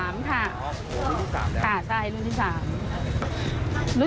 อ๋อรุ่นที่๓เนี่ยวะค่ะใช่รุ่นที่๓